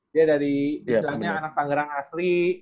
dia dari istilahnya anak tangerang asli